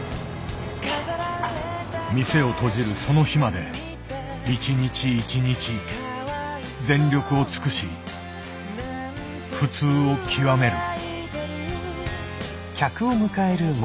店を閉じるその日まで一日一日全力を尽くし「普通」を極める。